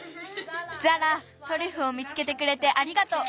ザラトリュフを見つけてくれてありがとう。